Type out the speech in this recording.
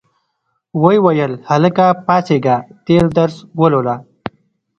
ویې ویل هلکه پاڅیږه تېر درس ولوله.